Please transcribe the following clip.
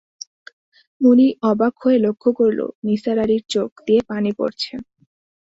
মুনির অবাক হয়ে লক্ষ করল, নিসার আলির চোখ দিয়ে পানি পড়ছে।